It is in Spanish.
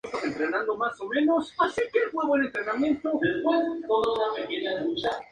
Los Arqueólogos piensan que el descubrimiento es sólo el principio.